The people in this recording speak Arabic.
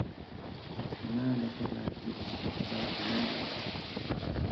أمالك باكر الصهباء مال